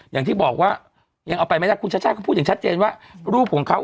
อย่างที่บอกว่ายังเอาไปไม่ได้คุณชัชชาติเขาพูดอย่างชัดเจนว่ารูปของเขา